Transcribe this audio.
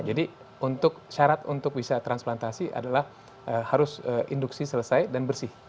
untuk syarat untuk bisa transplantasi adalah harus induksi selesai dan bersih